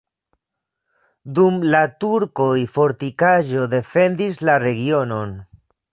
Dum la turkoj fortikaĵo defendis la regionon.